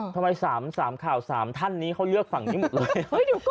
ทำไม๓ข่าว๓ท่านนี้เขาเลือกฝั่งนี้หมดเลย